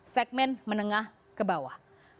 segmen menengah ke bawah